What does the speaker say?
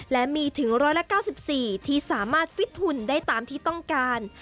และมีถึง๑๙๔ที่สามารถฟิตหุ่นได้ตามที่ต้องการ